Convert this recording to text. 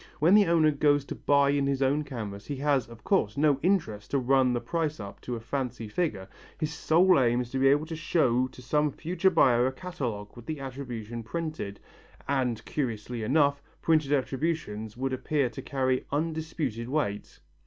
When the owner goes to buy in his own canvas, he has, of course, no interest to run the price up to a fancy figure, his sole aim is to be able to show to some future buyer a catalogue with the attribution printed and, curiously enough, printed attributions would appear to carry undisputed weight!